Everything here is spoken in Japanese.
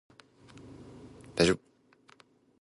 大丈夫